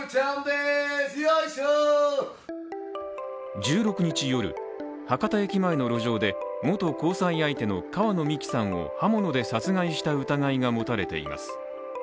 １６日夜、博多駅前の路上で元交際相手の川野美樹さんを刃物で殺害した疑いが持たれています。